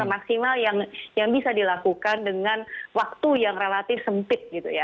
semaksimal yang bisa dilakukan dengan waktu yang relatif sempit